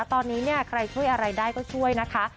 ตอนนี้ใครช่วยอะไรได้ก็ช่วยนะคะ